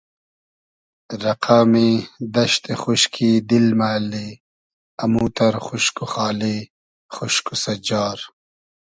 رئقئمی دئشتی خوشکی دیل مۂ اللی اموتئر خوشک و خالی خوشک و سئجار